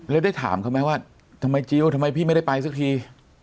แล้วได้ถามเขาไหมว่าทำไมจิลทำไมพี่ไม่ได้ไปสักที